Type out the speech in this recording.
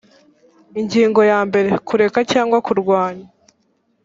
ingingo ya mbere kureka cyangwa kurwanya